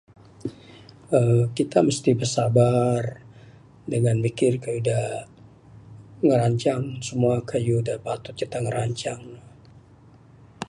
uhh Kitak mesti bersabar dengan mikir kayuh da ngerancang semua kayuh dak patut kitak merancang ne